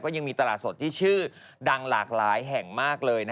ยังมีตลาดสดที่ชื่อดังหลากหลายแห่งมากเลย